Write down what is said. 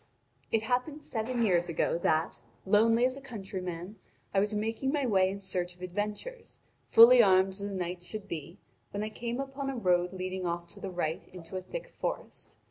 (Vv. 175 268.) "It happened seven years ago that, lonely as a countryman, I was making my way in search of adventures, fully armed as a knight should be, when I came upon a road leading off to the right into a thick forest.